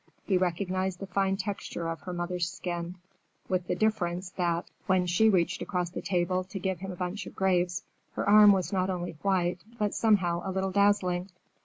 He recognized the fine texture of her mother's skin, with the difference that, when she reached across the table to give him a bunch of grapes, her arm was not only white, but somehow a little dazzling.